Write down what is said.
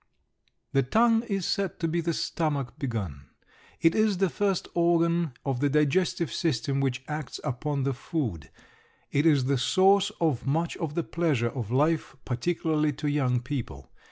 The tongue is said to be the stomach begun. It is the first organ of the digestive system which acts upon the food. It is the source of much of the pleasure of life, particularly to young people.